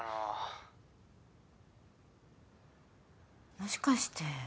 もしかして。